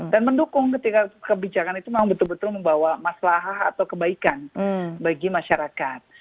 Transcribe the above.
dan mendukung ketika kebijakan itu memang betul betul membawa masalah atau kebaikan bagi masyarakat